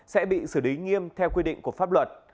sẽ bị xử lý nghiêm theo quy định của pháp luật